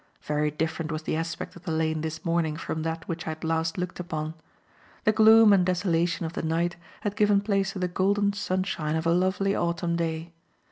Very different was the aspect of the lane this morning from that which I had last looked upon. The gloom and desolation of the night had given place to the golden sunshine of a lovely autumn day.